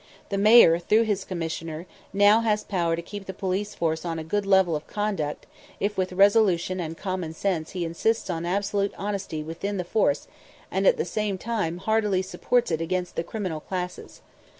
The Mayor, through his Commissioner, now has power to keep the police force on a good level of conduct if with resolution and common sense he insists on absolute honesty within the force and at the same time heartily supports it against the criminal classes.